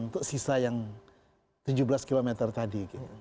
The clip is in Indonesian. untuk sisa yang tujuh belas km tadi